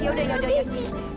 ya yaudah yaudah yaudah